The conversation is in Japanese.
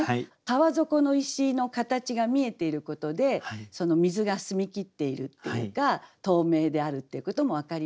川底の石の形が見えていることで水が澄み切っているっていうか透明であるっていうことも分かりますし。